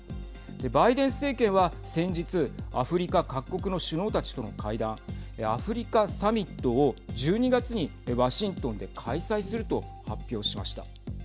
バイデン政権は先日アフリカ各国の首脳たちとの会談＝アフリカサミットを１２月にワシントンで開催すると発表しました。